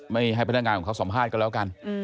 ไม่ให้พนักงานของเขาสัมภาษณ์ก็แล้วกัน